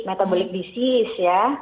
metabolik disis ya